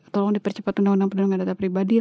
tolong dipercepat undang undang perlindungan data pribadi